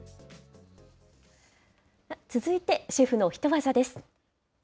続いて、シェフのヒトワザです。